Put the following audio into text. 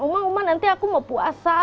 uma uma nanti aku mau puasa